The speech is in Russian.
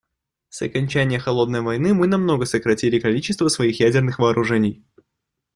С окончания "холодной войны" мы намного сократили количество своих ядерных вооружений.